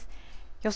予想